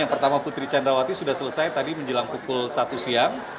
yang pertama putri candrawati sudah selesai tadi menjelang pukul satu siang